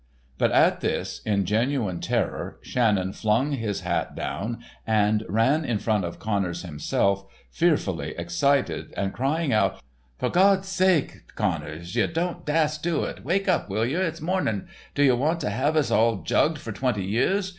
_" But at this, in genuine terror, Shannon flung his hat down and ran in front of Connors himself, fearfully excited, and crying out: "F'r Gawd's sake, Connors, you don't dast do it. Wake up, will yer, it's mornin'. Do yer want to hiv' us all jugged for twenty years?